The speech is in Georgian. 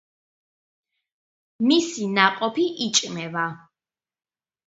მისი ნაყოფი იჭმევა.